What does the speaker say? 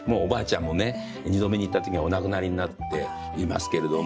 ２度目に行った時にはお亡くなりになっていますけれども。